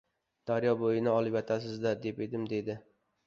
— Daryo bo‘yini olib yotasizlar, deb edim, — deydi.